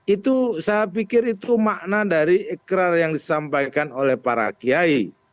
itu saya pikir itu makna dari ikrar yang disampaikan oleh para kiai